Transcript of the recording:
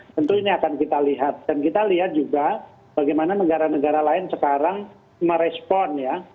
tentu ini akan kita lihat dan kita lihat juga bagaimana negara negara lain sekarang merespon ya